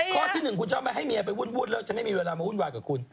ข้อที่หนึ่งคุณชอบให้เมียไปวุ่นวุดแล้วจะไม่มีเวลามาวุ่นวายกับคุณ